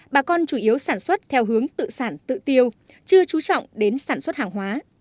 bà con chủ yếu sản xuất theo hướng tự sản tự tiêu chưa trú trọng đến sản xuất hàng hóa